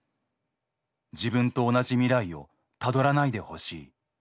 自分と同じ未来を辿らないで欲しい。